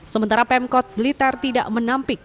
sementara pemkot blitar tidak menampik